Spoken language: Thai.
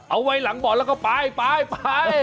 เอาไว้หลังบ่อแล้วก็ไปไป